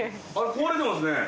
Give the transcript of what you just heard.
壊れてますね。